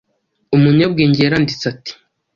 Umunyabwenge yaranditse ati